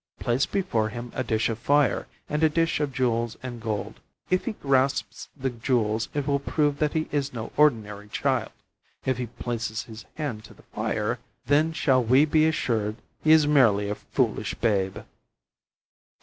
Place before him a dish of fire and a dish of jewels and gold. If he grasps the jewels, it will prove that he is no ordinary child; if he places his hand to the fire, then shall we be assured he is merely a foolish babe."